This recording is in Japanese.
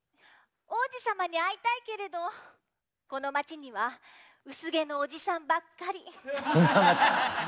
王子様に会いたいけれどこの町には薄毛のおじさんばっかり。